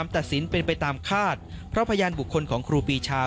ตัดสินเป็นไปตามคาดเพราะพยานบุคคลของครูปีชา